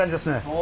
お。